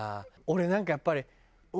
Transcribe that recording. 俺なんかやっぱり。